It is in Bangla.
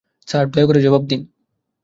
স্যার, দয়া করে জবাব দিন।